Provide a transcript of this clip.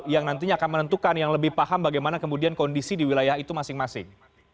yang nantinya akan menentukan yang lebih paham bagaimana kemudian kondisi di wilayah itu masing masing